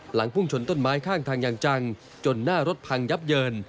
พุ่งชนต้นไม้ข้างทางอย่างจังจนหน้ารถพังยับเยิน